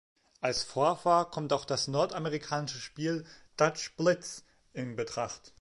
Als Vorfahr kommt auch das nordamerikanische Spiel Dutch Blitz in Betracht.